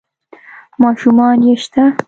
ـ ماشومان يې شته؟